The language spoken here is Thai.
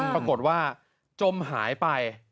ปรากฏว่าจมหายไป